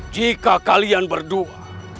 jika kalian berdua